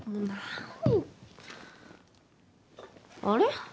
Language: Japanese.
あれ？